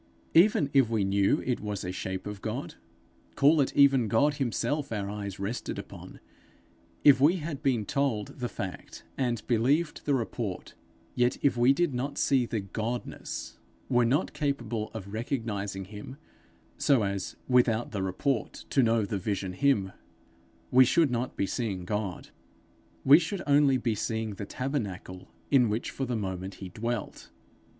Even if we knew it was a shape of God call it even God himself our eyes rested upon; if we had been told the fact and believed the report; yet, if we did not see the Godness, were not capable of recognizing him, so as without the report to know the vision him, we should not be seeing God, we should only be seeing the tabernacle in which for the moment he dwelt.